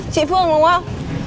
chị phương đúng không